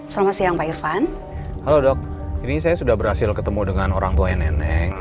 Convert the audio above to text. selamat siang pak irvan halo dok gini saya sudah berhasil ketemu dengan orangtuanya nenek